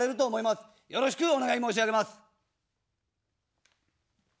よろしくお願い申し上げます。